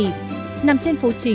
nằm trên phố chính catherine